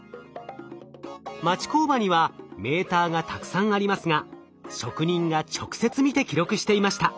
町工場にはメーターがたくさんありますが職人が直接見て記録していました。